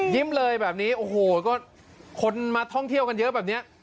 เลยแบบนี้โอ้โหก็คนมาท่องเที่ยวกันเยอะแบบนี้